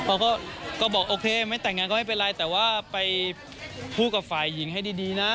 เขาก็บอกโอเคไม่แต่งงานก็ไม่เป็นไรแต่ว่าไปพูดกับฝ่ายหญิงให้ดีนะ